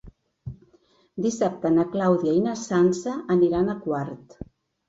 Dissabte na Clàudia i na Sança aniran a Quart.